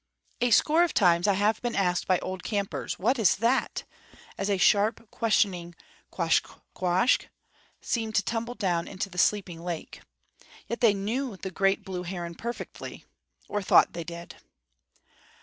A score of times I have been asked by old campers, "What is that?" as a sharp, questioning Quoskh quoskh? seemed to tumble down into the sleeping lake. Yet they knew the great blue heron perfectly or thought they did.